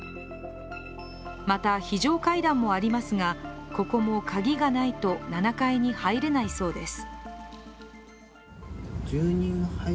また非常階段もありますが、ここも鍵がないと７階には入れないそうです。